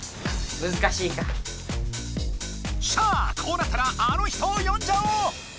さあこうなったらあの人をよんじゃおう！